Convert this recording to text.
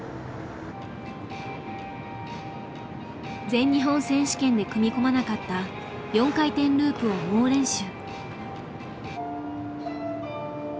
全日本選手権で組み込まなかった４回転ループを猛練習。